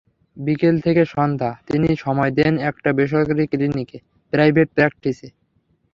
বিকেল থেকে সন্ধ্যা তিনি সময় দেন একটা বেসরকারি ক্লিনিকে, প্রাইভেট প্র্যাকটিসে।